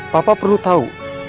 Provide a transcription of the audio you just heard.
papa perlu tahu